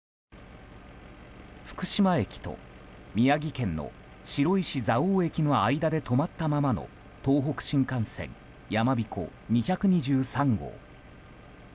福島駅と宮城県の白石蔵王駅の間で止まったままの東北新幹線「やまびこ２２３号」。